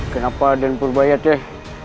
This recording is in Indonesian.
kenapa raden purbaia teh